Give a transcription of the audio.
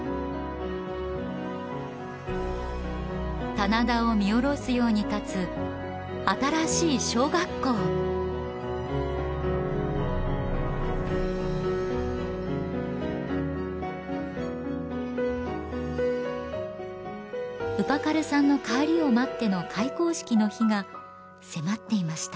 棚田を見下ろすように建つ新しい小学校ウパカルさんの帰りを待っての開校式の日が迫っていました